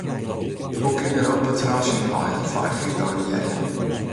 Hoe kin Europa tenei syn eigen feilichheid garandearje?